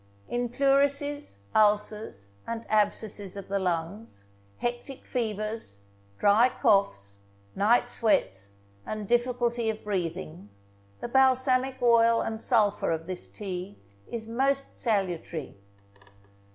In pleurisies, ulcers, and abscesses of the lungs, hectic fevers, dry coughs, night sweats, and difficulty of breathing, the balsamic oil and sulphur of this tea is most salutary.